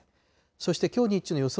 そしてきょう日中の予想